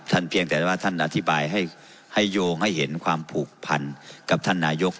เพียงแต่ว่าท่านอธิบายให้โยงให้เห็นความผูกพันกับท่านนายก